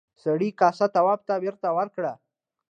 سړي کاسه تواب ته بېرته ورکړه.